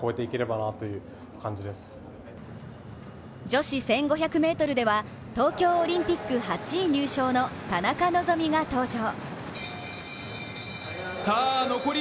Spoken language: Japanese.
女子１５００ｍでは東京オリンピック８位入賞の田中希実が登場。